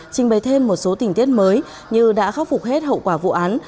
trình bày thêm một số tình tiết mới như đã khắc phục hết hậu quả vụ án